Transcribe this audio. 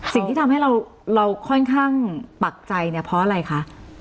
สิ่งที่ทำให้เราค่อนข้างปักใจเนี่ยเพราะอะไรคะ